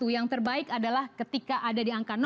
yang terbaik adalah ketika ada di angka